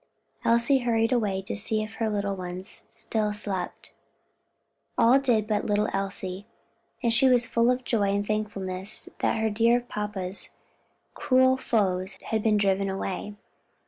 Elsie hurried away to see if her little ones still slept. All did but little Elsie, and she was full of joy and thankfulness that her dear papa's cruel foes had been driven away.